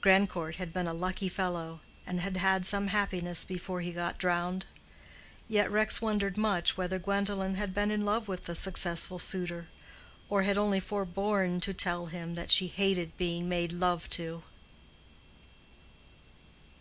Grandcourt had been a lucky fellow, and had had some happiness before he got drowned. Yet Rex wondered much whether Gwendolen had been in love with the successful suitor, or had only forborne to tell him that she hated being made love to.